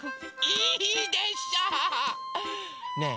いいでしょう！ねえ